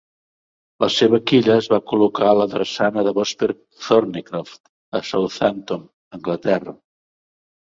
La seva quilla es va col·locar a la drassana de Vosper Thornycroft a Southampton, Anglaterra.